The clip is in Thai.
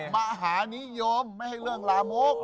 มหานิยมไม่ให้เรื่องลามก